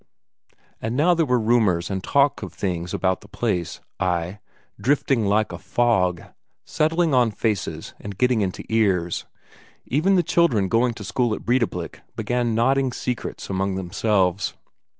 And now there were rumours and talk of things about the place, ay, drifting like a fog, settling on faces and getting into ears; even the children going to school at Breidablik began nodding secrets among themselves.